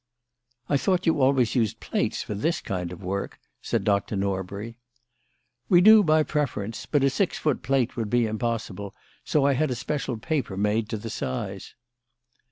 "I thought you always used plates for this kind of work," said Dr. Norbury. "We do, by preference; but a six foot plate would be impossible, so I had a special paper made to the size."